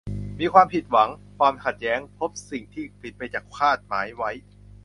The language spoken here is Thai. มีความผิดหวัง ความขัดแย้ง พบสิ่งที่ผิดไปจากคาดหมายไว้